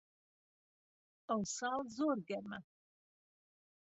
ئەوساڵ زۆر گەرمە